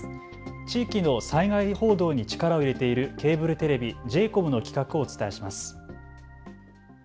地域の災害報道に力を入れているケーブルテレビ、Ｊ：ＣＯＭの企画をお伝えします。